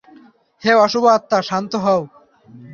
হে অশুভ আত্মা, শান্ত হও।